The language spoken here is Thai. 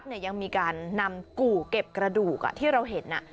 ยังมีการนำกู่เก็บกระดูกที่เราเห็น